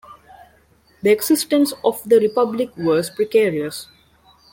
The existence of the Republic was precarious.